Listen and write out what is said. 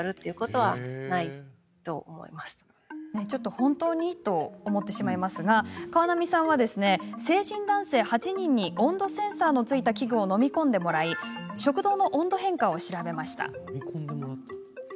本当に？と思いますが川波さんは、成人男性８人に温度センサーのついた器具を飲み込んでもらい食道の温度変化を調べました。